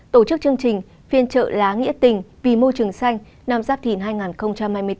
tổ chức chương trình phiên trợ lá nghĩa tình vì môi trường xanh năm giáp thìn hai nghìn hai mươi bốn